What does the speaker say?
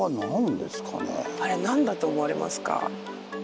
あれ何だと思われますか？